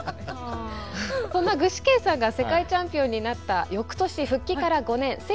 そんな具志堅さんが世界チャンピオンになった翌年復帰から５年１９７７年の世論調査